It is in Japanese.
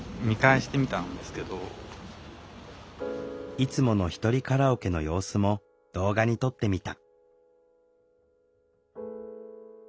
いつものひとりカラオケの様子も動画に撮ってみた。